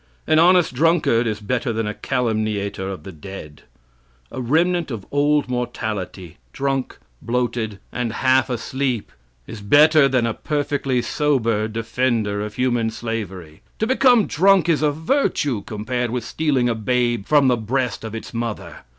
An honest drunkard is better than a calumniator of the dead. "A remnant of old mortality drunk, bloated, and half asleep," is better than a perfectly sober defender of human slavery. To become drunk is a virtue compared with stealing a babe from the breast of its mother.